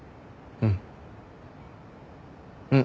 うん。